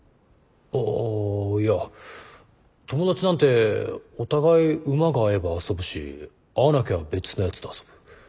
あいや友達なんてお互いウマが合えば遊ぶし合わなきゃ別のやつと遊ぶ。